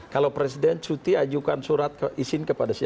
kalau presiden cuti ajukan surat izin kepada siapa